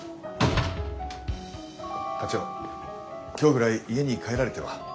課長今日ぐらい家に帰られては？